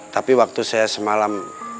tapi waktu saya semalam